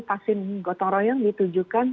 vaksin gotong royong ditujukan